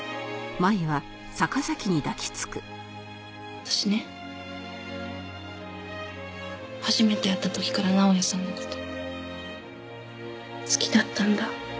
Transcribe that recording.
私ね初めて会った時から直哉さんの事好きだったんだ。